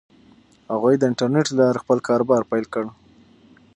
هغوی د انټرنیټ له لارې خپل کاروبار پیل کړ.